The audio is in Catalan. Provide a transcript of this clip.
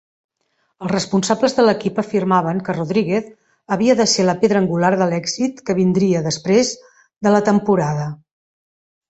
Els responsables de l'equip afirmaven que Rodríguez havia de ser la pedra angular de l'èxit que vindria després de la temporada.